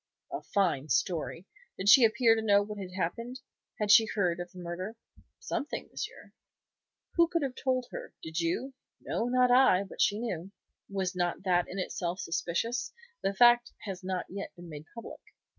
"A fine story! Did she appear to know what had happened? Had she heard of the murder?" "Something, monsieur." "Who could have told her? Did you?" "No, not I. But she knew." "Was not that in itself suspicious? The fact has not yet been made public."